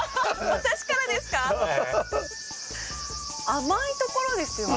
甘いところですよね。